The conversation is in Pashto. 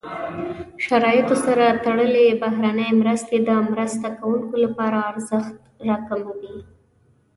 شرایطو سره تړلې بهرنۍ مرستې د مرسته کوونکو لپاره ارزښت راکموي.